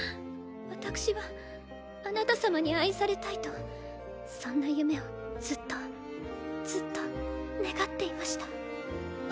私はあなた様に愛されたいとそんな夢をずっとずっと願っていました。